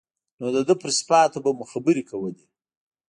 نو د ده پر صفاتو به مو خبرې کولې.